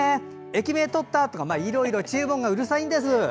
駅名撮った？とかいろいろ注文がうるさいんです。